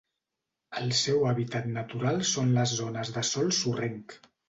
El seu hàbitat natural són les zones de sòl sorrenc.